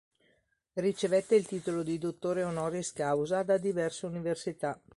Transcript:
Ricevette il titolo di Dottore Honoris Causa da diverse università.